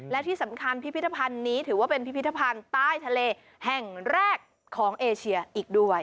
และที่สำคัญพิพิธภัณฑ์นี้ถือว่าเป็นพิพิธภัณฑ์ใต้ทะเลแห่งแรกของเอเชียอีกด้วย